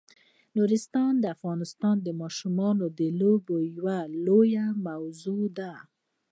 نورستان د افغانستان د ماشومانو د لوبو یوه لویه موضوع ده.